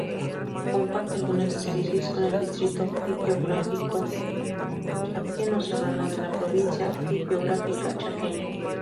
Comparte algunas especies con el Distrito fitogeográfico Chaqueño Serrano de la Provincia fitogeográfica Chaqueña.